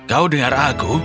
kau dengar aku